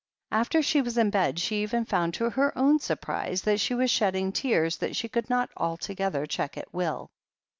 After she was in bed she even found, to her own surprise, that she was shedding tears that she could not altogether check at will.